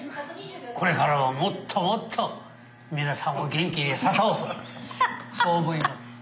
これからはもっともっと皆さんを元気にさそうとそう思います。